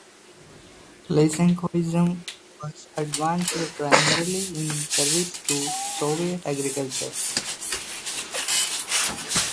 Lysenkoism was advanced primarily in service to Soviet agriculture.